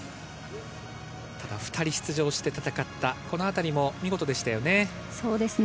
ただ２人出場して戦ったこのあたりも見事でしたね。